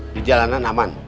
di jalanan aman